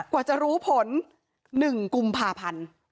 กว่าจะรู้ผล๑กุมภาพันธ์